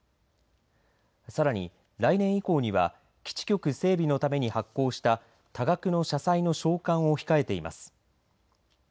さらに来年以降には基地局整備のために発行した多額の社債の償還を控えています。